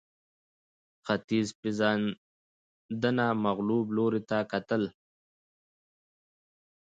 ختیځپېژندنه مغلوب لوري ته کتل